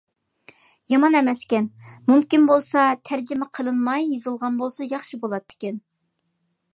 يامان ئەمەسكەن. مۇمكىن بولسا تەرجىمە قىلىنماي يېزىلغان بولسا ياخشى بولاتتىكەن.